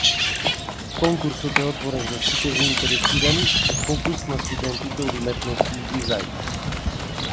Конкурсот е отворен за сите заинтересирани, со фокус на студентите од уметности и дизајн.